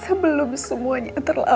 sebelum semuanya terlambat